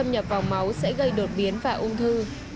thuốc nhuộm tóc không nhập vào máu sẽ gây đột biến và ung thư